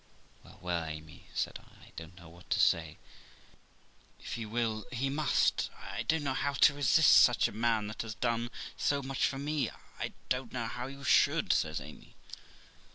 'Well, well, Amy', said I, 'I don't know what to say; if he will, he must, I think; I don't know how to resist such a man, that has done so much for me/ 'I don't know how you should', says Amy.